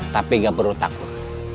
tapi enggak perlu takut